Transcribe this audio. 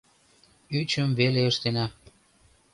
Ӱчым веле ыштена.